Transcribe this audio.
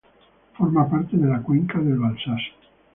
Forma parte de la cuenca del Balsas.